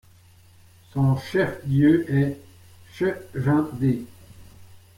Son chef-lieu est Chejendé.